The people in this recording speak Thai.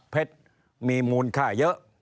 เพชรมีมูลค่าเยอะ